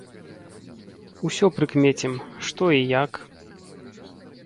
Усё прыкмецім, што і як.